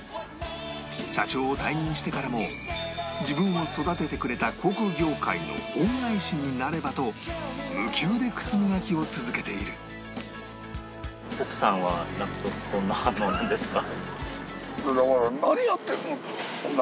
社長を退任してからも自分を育ててくれた航空業界への恩返しになればと無給で靴磨きを続けているだから。